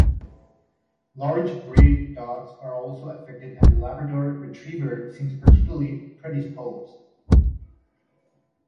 Large breed dogs are also affected and the Labrador retriever seems particularly predisposed.